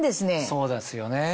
そうですよね